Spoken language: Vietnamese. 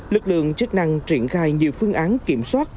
lực lượng chức năng triển khai nhiều phương án kiểm soát